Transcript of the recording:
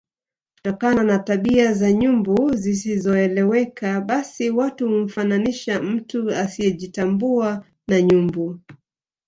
Kutokana na tabia za nyumbu zisizoeleweka basi watu humfananisha mtu asiejitambua na nyumbu